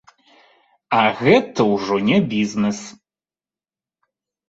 А гэта ўжо не бізнес!